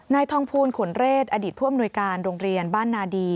นายทองภูลขุนเรศอดีตผู้อำนวยการโรงเรียนบ้านนาดี